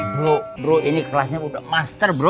bro bro ini kelasnya udah master bro